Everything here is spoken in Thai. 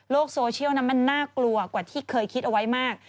โซเชียลนั้นมันน่ากลัวกว่าที่เคยคิดเอาไว้มาก